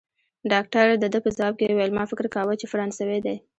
ډاکټر د ده په ځواب کې وویل: ما فکر کاوه، چي فرانسوی دی.